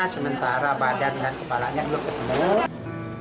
sementara badan dengan kepalanya belum ketemu